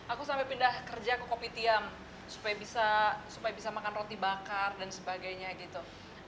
aku sampai pindah kerja ke kopitiam supaya bisa makan roti bakar dan sebagainya gitu